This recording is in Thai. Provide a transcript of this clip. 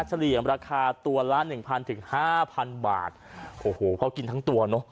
เฉลี่ยราคาตัวละหนึ่งพันถึงห้าพันบาทโอ้โหเขากินทั้งตัวเนอะ